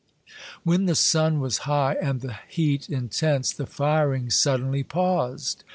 When the sun was high and the heat intense, the firing suddenly paused.